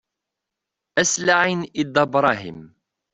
Ad s-laɛin i Dda Brahem.